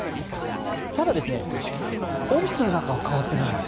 ただ、オフィスの中は変わっていないんです。